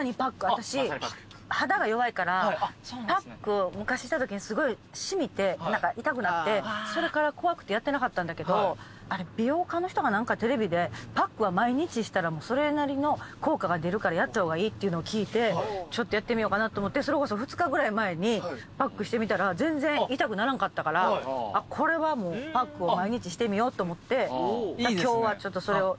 私肌が弱いからパックを昔したときにすごい染みて痛くなってそれから怖くてやってなかったんだけど美容家の人が何かテレビでパックは毎日したらそれなりの効果が出るからやった方がいいっていうのを聞いてちょっとやってみようかなと思ってそれこそ２日ぐらい前にパックしてみたら全然痛くならんかったからこれはもうパックを毎日してみようと思って今日はちょっとそれを。